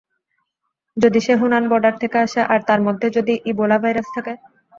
যদি সে Hunan border থেকে আসে আর তার মধ্যে যদি ইবোলা ভাইরাস থাকে?